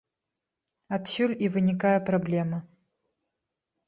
Адсюль і вынікае праблема.